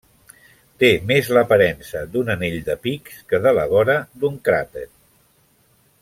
Té més l'aparença d'un anell de pics que de la vora d'un cràter.